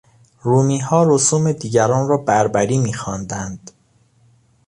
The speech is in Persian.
رومیها رسوم دیگران را بربری میخواندند.